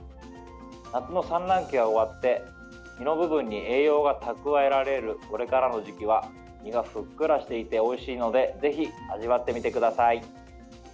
夏の産卵期が終わって身の部分に栄養が蓄えられるこれからの時期は身がふっくらしていておいしいのでぜひ味わってみてください。